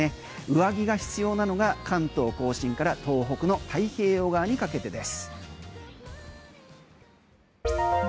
上着が必要なのが関東・甲信から東北の太平洋側にかけてです。